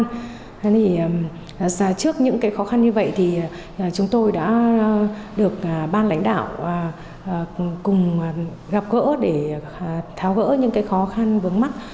thế thì trước những cái khó khăn như vậy thì chúng tôi đã được ban lãnh đạo cùng gặp gỡ để tháo gỡ những cái khó khăn vướng mắt